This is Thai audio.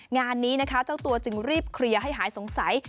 งานนี้นะคะเจ้าตัวจึงรีบเคลียร์ให้หายสงสัย